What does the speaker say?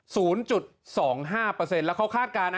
ศูนย์จุดสองห้าเปอร์เซ็นต์แล้วเขาคาดการณ